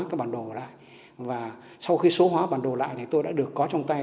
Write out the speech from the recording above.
các bản đồ lại và sau khi số hóa bản đồ lại thì tôi đã được có trong tay